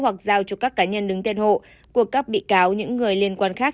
hoặc giao cho các cá nhân đứng tên hộ cuộc cấp bị cáo những người liên quan khác